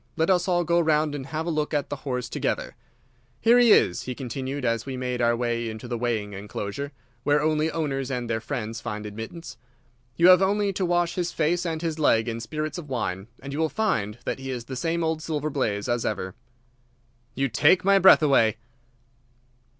Let us all go round and have a look at the horse together. Here he is," he continued, as we made our way into the weighing enclosure, where only owners and their friends find admittance. "You have only to wash his face and his leg in spirits of wine, and you will find that he is the same old Silver Blaze as ever." "You take my breath away!"